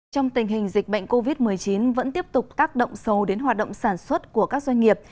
trong tình hình dịch bệnh covid một mươi chín vẫn tiếp tục tác động sâu đến hoạt động sản xuất của các doanh nghiệp